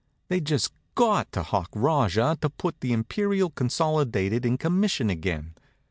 They'd just got to hock Rajah to put the Imperial Consolidated in commission again.